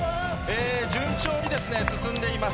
順調に進んでいます。